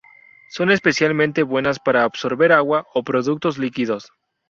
Son especialmente buenas para absorber agua o productos líquidos.